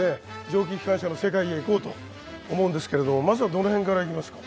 蒸気機関車の世界へ行こうと思うんですけれどもまずはどの辺から行きますか。